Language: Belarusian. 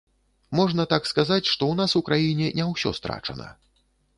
Можна так сказаць, што ў нас у краіне не ўсё страчана.